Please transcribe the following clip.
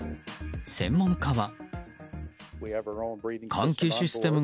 専門家は。